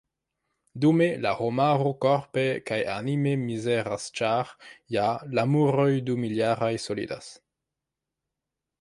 Dume, la homaro korpe kaj anime mizeras ĉar, ja, la muroj dumiljaraj solidas.